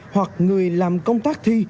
hoặc người làm công tác thi